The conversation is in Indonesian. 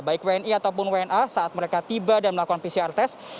baik wni ataupun wna saat mereka tiba dan melakukan pcr test